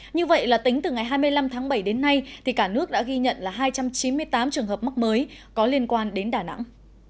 như vậy là tính từ ngày hai mươi năm tháng bảy đến nay thì cả nước đã ghi nhận là hai trăm chín mươi tám trường hợp mắc mới có liên quan đến đà nẵng